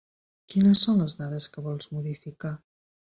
Quines són les dades que vols modificar?